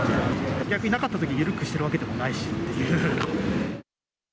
逆になかったときに、緩くしてるわけでもないしっていう。